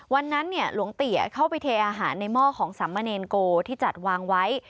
วันนั้นหลวงเตี๋ยเข้าไปเทอาหารในหม้อของสามเณรโกที่จัดวางไว้